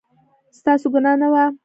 ستاسو ګناه نه وه